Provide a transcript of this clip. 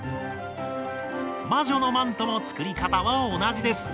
魔女のマントの作り方は同じです。